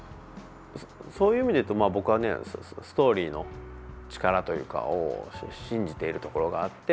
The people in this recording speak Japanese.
そういう意味でいうと僕はストーリーの力というかを信じているところがあって。